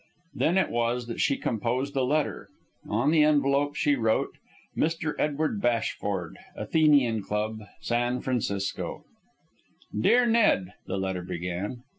Then it was that she composed a letter. On the envelope she wrote: "Mr. Edward Bashford, Athenian Club, San Francisco." "Dear Ned," the letter began.